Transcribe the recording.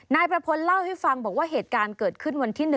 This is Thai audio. นายประพลเล่าให้ฟังบอกว่าเหตุการณ์เกิดขึ้นวันที่๑